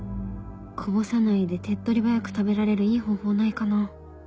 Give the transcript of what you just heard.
こぼさないで手っ取り早く食べられるいい方法ないかな？